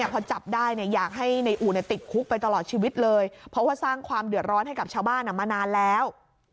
พอจับได้อยากให้ในอู่ติดคุกไปตลอดชีวิตเลยเพราะว่าสร้างความเดือดร้อนให้กับชาวบ้านมานานแล้ว